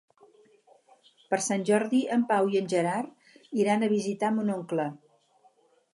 Per Sant Jordi en Pau i en Gerard iran a visitar mon oncle.